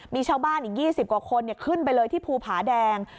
มีชาวบ้านอีก๒๐กว่าคนขึ้นไปเลยที่ภูผาแดง